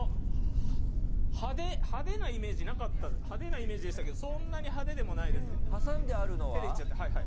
派手なイメージでしたけどそんなに派手でもないです。